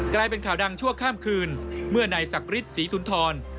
กลายเป็นข่าวดังชั่วข้ามคืนเมื่อนายศักดิ์ศรีสุนทร